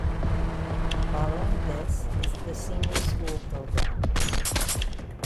Following this is the Senior School program.